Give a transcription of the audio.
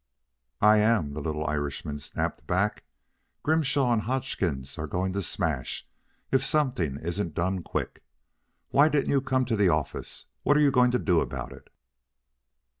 "I am," the little Irishman snapped back. "Grimshaw and Hodgkins are going to smash if something isn't done quick. Why didn't you come to the office? What are you going to do about it?"